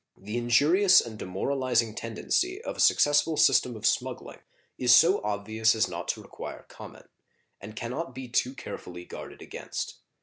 The injurious and demoralizing tendency of a successful system of smuggling is so obvious as not to require comment, and can not be too carefully guarded against.